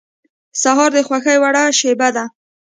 سهار د خوښې وړ شېبه ده.